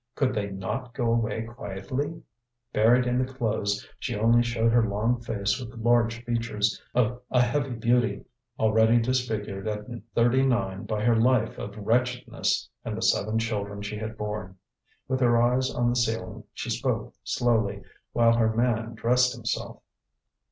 Could they not go away quietly? Buried in the clothes she only showed her long face with large features of a heavy beauty, already disfigured at thirty nine by her life of wretchedness and the seven children she had borne. With her eyes on the ceiling she spoke slowly, while her man dressed himself.